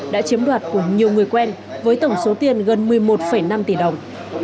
đã chiếm đoạt của nhiều người quen với tổng số tiền gần một mươi một năm tỷ đồng